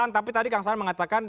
tapi tadi kang saan mengatakan